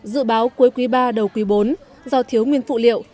dự báo cuối quý ba đầu quý bốn do thiếu nguyên phụ liệu